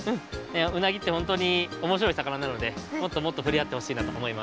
うなぎってほんとにおもしろいさかななのでもっともっとふれあってほしいなとおもいます。